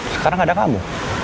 sekarang ada kamu